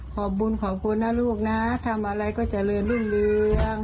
ขอบคุณขอบคุณนะลูกนะทำอะไรก็เจริญรุ่งเรือง